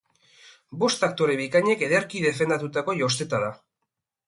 Bost aktore bikainek ederki defendatutako josteta da.